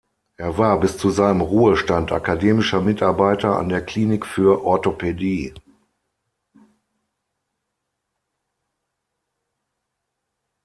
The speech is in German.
Er war bis zu seinem Ruhestand akademischer Mitarbeiter an der Klinik für Orthopädie.